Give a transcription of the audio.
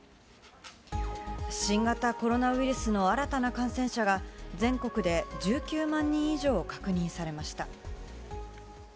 新型コロナウイルスの新たな感染者が全国で１９万人以上確認されました。